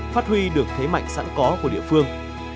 phát huy được thế mạnh sẵn có của địa phương